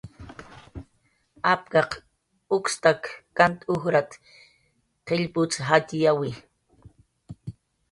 "Apkaq ukstak kant ujrat"" qillp utz jayyawi."